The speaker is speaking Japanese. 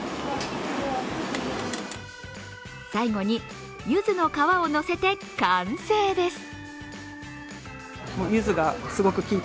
最後にゆずの皮をのせて完成です。